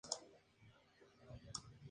La juventud del escritor fue tormentosa.